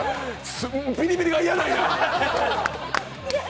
ビリビリは嫌なんだ！